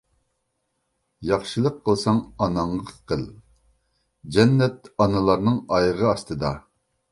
ياخشىلىق قىلساڭ ئاناڭغا قىل، جەننەت ئانىلارنىڭ ئايىغى ئاستىدا!